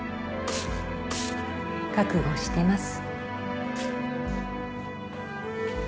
覚悟してます。